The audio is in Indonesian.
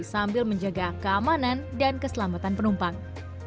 sambil menjaga keamanan dan keselamatan penumpang